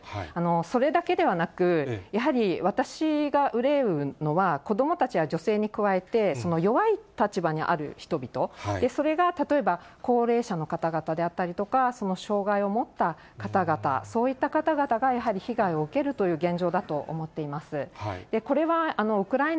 それだけではなく、やはり私が憂うのは、子どもたちや女性に加えて、弱い立場にある人々、それが例えば高齢者の方々であったりとか、障がいを持った方々、そういった方々が被害を受けるという現状だと思っています。